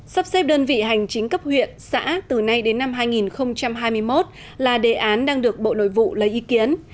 sắp xếp đơn vị hành chính cấp huyện xã từ nay đến năm hai nghìn hai mươi một là đề án đang được bộ nội vụ lấy ý kiến